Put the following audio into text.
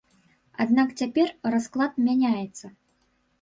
Аднак цяпер расклад мяняецца.